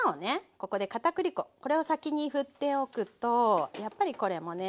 ここでかたくり粉を先にふっておくとやっぱりこれもね